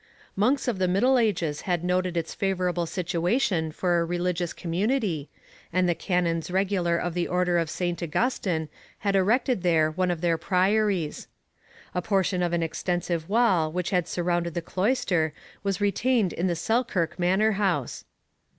Monks of the Middle Ages had noted its favourable situation for a religious community, and the canons regular of the Order of St Augustine had erected there one of their priories. A portion of an extensive wall which had surrounded the cloister was retained in the Selkirk manor house.